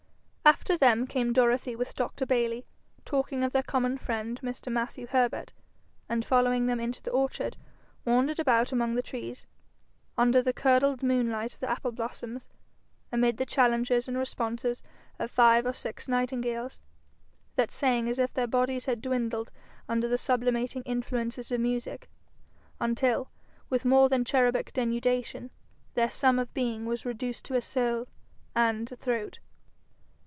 After them came Dorothy with Dr Bayly, talking of their common friend Mr. Matthew Herbert, and following them into the orchard, wandered about among the trees, under the curdled moonlight of the apple blossoms, amid the challenges and responses of five or six nightingales, that sang as if their bodies had dwindled under the sublimating influences of music, until, with more than cherubic denudation, their sum of being was reduced to a soul and a throat.